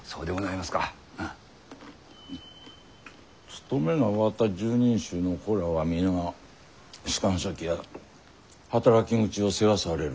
務めが終わった拾人衆の子らは皆士官先や働き口を世話されると？